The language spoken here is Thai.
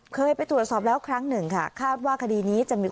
เคยไปตรวจสอบแล้วครั้งหนึ่งค่ะคาดว่าคดีนี้จะมี